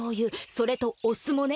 それとお酢もね。